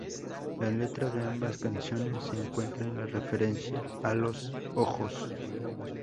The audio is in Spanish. La letra de ambas canciones se encuentra en la referencia a los ojos.